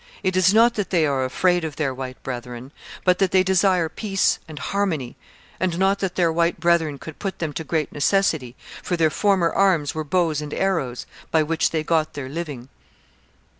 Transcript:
It is not that they are afraid of their white brethren, but that they desire peace and harmony, and not that their white brethren could put them to great necessity, for their former arms were bows and arrows, by which they got their living.